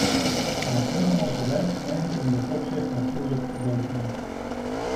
Wij kunnen onze werkzaamheden in dit opzicht natuurlijk verbeteren.